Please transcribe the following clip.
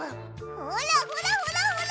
ほらほらほらほら！